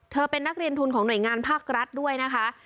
เป็นนักเรียนทุนของหน่วยงานภาครัฐด้วยนะคะ